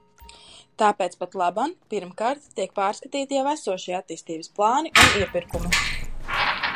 Tāpēc patlaban, pirmkārt, tiek pārskatīti jau esošie attīstības plāni un iepirkumi.